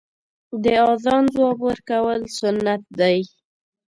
د اذان ځواب ورکول سنت دی .